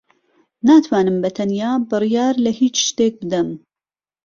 ناتوانم بەتەنیا بڕیار لە ھیچ شتێک بدەم.